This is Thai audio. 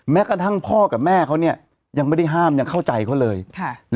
แม้กระทั่งพ่อกับแม่เขาเนี่ยยังไม่ได้ห้ามยังเข้าใจเขาเลยค่ะ